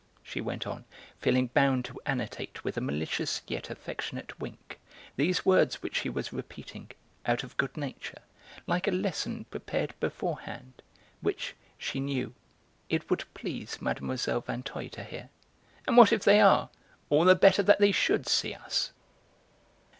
she went on, feeling bound to annotate with a malicious yet affectionate wink these words which she was repeating, out of good nature, like a lesson prepared beforehand which, she knew, it would please Mlle. Vinteuil to hear. "And what if they are? All the better that they should see us."